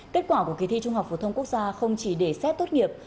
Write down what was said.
kết quả của kỳ thi trung học phổ thông quốc gia không chỉ để xét tốt nghiệp